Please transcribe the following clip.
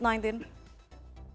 kita harus mendekati